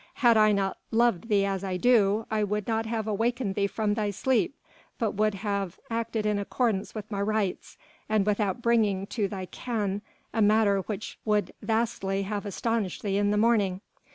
Had I not loved thee as I do, I would not have wakened thee from thy sleep, but would have acted in accordance with my rights and without bringing to thy ken a matter which would vastly have astonished thee in the morning."